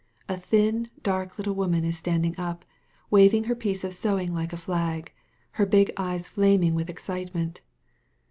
A ihin, dark little woman is standing up, waving her piece of sewing like a flag^ her big eyes flaming with excitement.